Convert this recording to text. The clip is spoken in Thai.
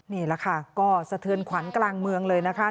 นี่แหละค่ะก็สะเทือนขวัญกลางเมืองเลยนะคะ